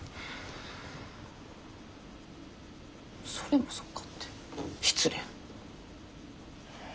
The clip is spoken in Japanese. それもそうかって失礼な。